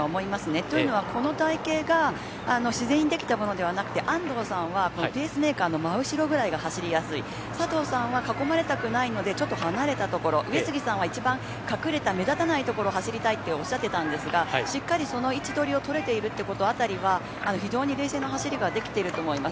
というのはこの隊形が自然にできたものではなくて安藤さんはペースメーカーの真後ろぐらいが走りやすい佐藤さんは囲まれたくないのでちょっと離れたところ上杉さんは一番隠れた目立たないところを走りたいっておっしゃってたんですがしっかりその位置取りをとれているという辺りは非常に冷静な走りができていると思います。